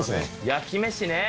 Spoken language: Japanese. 焼き飯ね。